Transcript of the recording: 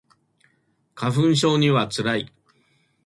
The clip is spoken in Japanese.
花粉症には辛い